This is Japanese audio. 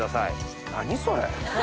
何それ！